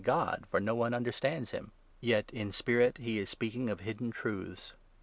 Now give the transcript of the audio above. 325 understands him ; yet in spirit he is speaking of hidden truths.